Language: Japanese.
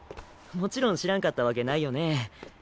もちろん知らんかったわけないよね？